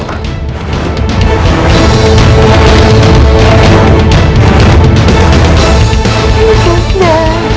dan karena hidup anda